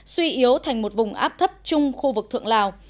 suy yếu thành một vùng áp thấp chung khu vực thượng lào